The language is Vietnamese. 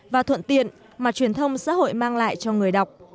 và thuận tiện mà truyền thông xã hội mang lại cho người đọc